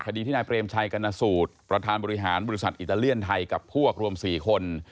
คดีที่นายเปรมชัยกรณสูตรประธานบริหารบริษัทอิตาเลียนไทยกับพวกรวม๔คน